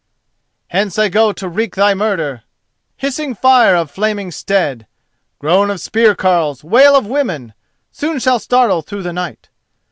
"Hence I go to wreak thy murder. Hissing fire of flaming stead, Groan of spear carles, wail of women, Soon shall startle through the night.